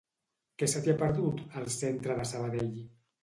Què se t'hi ha perdut, al Centre de Sabadell?